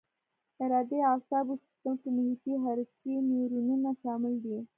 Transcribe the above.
ارادي اعصابو سیستم کې محیطي حرکي نیورونونه شامل دي.